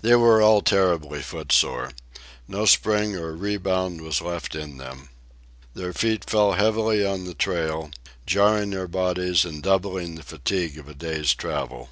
They were all terribly footsore. No spring or rebound was left in them. Their feet fell heavily on the trail, jarring their bodies and doubling the fatigue of a day's travel.